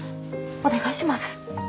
お願いします。